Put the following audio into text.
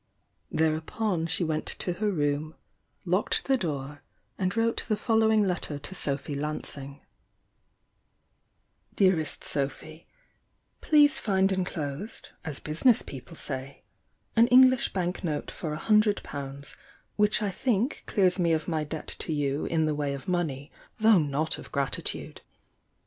Thereupon she went to her room, locked the door, and wrote the following let ter to Sophy Lansing: "Dbabest Sophy, "Please find enclosed, as business people say, an English bank note for a hundred pounds, which I think clears me of my debt to you in the way of us THE YOUNG DIANA 119 money, though not of gratitude.